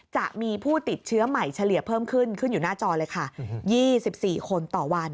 จะมีผู้ติดเชื้อใหม่เฉลี่ยเพิ่มขึ้นขึ้นอยู่หน้าจอเลยค่ะ๒๔คนต่อวัน